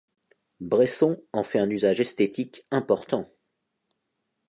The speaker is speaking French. Bresson en fait un usage esthétique important.